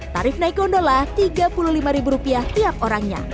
tarif naik gondola tiga puluh lima ribu rupiah tiap orangnya